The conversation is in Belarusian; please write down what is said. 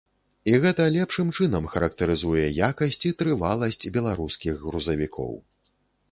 І гэта лепшым чынам характарызуе якасць і трываласць беларускіх грузавікоў.